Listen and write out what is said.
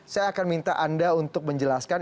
saya akan minta anda untuk menjelaskan